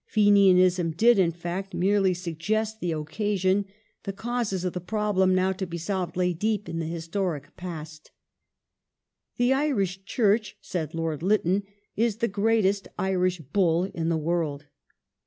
^ Fenianism did, in fact, merely suggest the occasion : the causes of the problem now to be solved lay deep in the historic past. "The Irish Church," said Lord Lytton, "is the gi*eatest Irish Bull in the world."